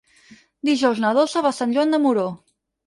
Dijous na Dolça va a Sant Joan de Moró.